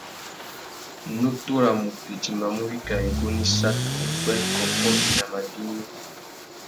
Nutu râ mutu i timbamú wikā igunú issat, upwê, kôkô, winama bignï.